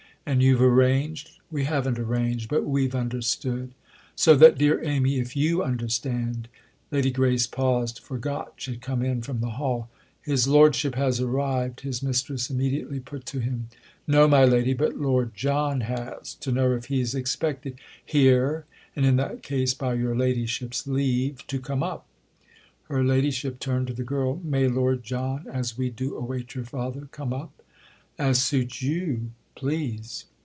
"And you've arranged——?" "We haven't arranged—but we've understood. So that, dear Amy, if you understand—!" Lady Grace paused, for Gotch had come in from the hall. "His lordship has arrived?" his mistress immediately put to him. "No, my lady, but Lord John has—to know if he's expected here, and in that case, by your ladyship's leave, to come up." Her ladyship turned to the girl. "May Lord John—as we do await your father—come up?" "As suits you, please!"